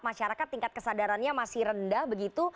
masyarakat tingkat kesadarannya masih rendah begitu